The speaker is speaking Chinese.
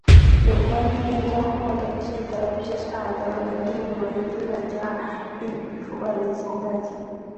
有观念将获得既得资产的人定义为政治资本家并与腐败联系在一起。